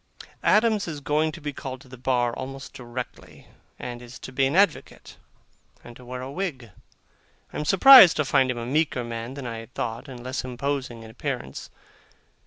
Adams is going to be called to the bar almost directly, and is to be an advocate, and to wear a wig. I am surprised to find him a meeker man than I had thought, and less imposing in appearance.